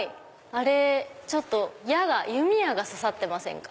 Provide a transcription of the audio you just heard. あれ弓矢が刺さってませんか？